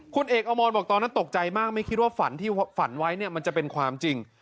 คุณเอกอมรบอกตอนนั้นตกใจมากไม่คิดว่าฝันที่ฝันไว้เนี่ยมันจะเป็นความจริง